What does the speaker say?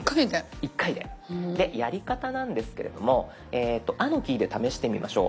でやり方なんですけれども「あ」のキーで試してみましょう。